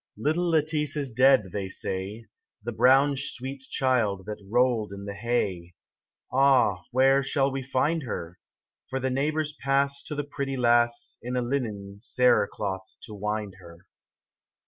29 LITTLE Lettice is dead, they say, The brown sweet child that rolled in the hay ; Ah, where shall we find her? For the neighbours pass To the pretty lass, In a linen cere cloth to wind her.